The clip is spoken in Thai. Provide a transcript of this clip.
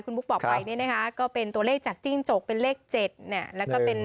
คุณปุ๊กบอกไปเนี่ยนะครับก็เป็นตัวเลขจากจริงจกเป็นเลข๗แล้วก็เป็น๑